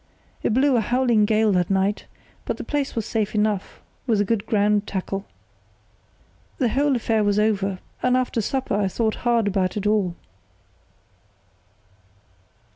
It blew a howling gale that night, but the place was safe enough, with good ground tackle. "The whole affair was over; and after supper I thought hard about it all."